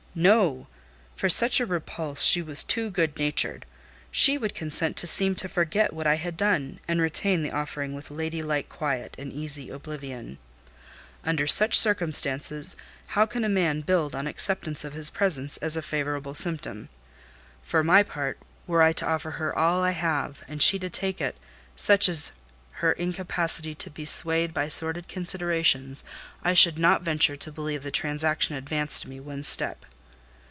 "No; for such a repulse she was too good natured. She would consent to seem to forget what I had done, and retain the offering with lady like quiet and easy oblivion. Under such circumstances, how can a man build on acceptance of his presents as a favourable symptom? For my part, were I to offer her all I have, and she to take it, such is her incapacity to be swayed by sordid considerations, I should not venture to believe the transaction advanced me one step."